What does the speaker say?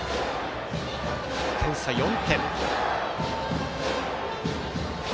点差４点。